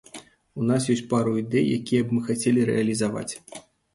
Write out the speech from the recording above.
У нас ёсць пару ідэй, якія б мы хацелі рэалізаваць.